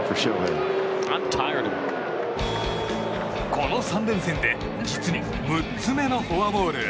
この３連戦で実に６つ目のフォアボール。